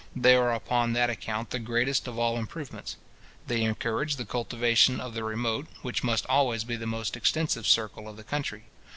They are upon that account the greatest of all improvements. They encourage the cultivation of the remote, which must always be the most extensive circle of the country.